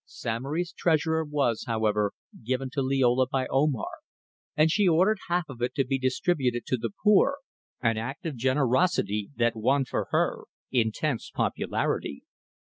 Samory's treasure was, however, given to Liola by Omar, and she ordered half of it to be distributed to the poor, an act of generosity that won for her intense popularity.